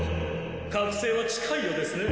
覚醒は近いようですね。